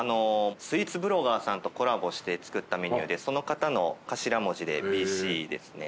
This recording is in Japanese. スイーツブロガーさんとコラボして作ったメニューでその方の頭文字で「ＢＣ」ですね。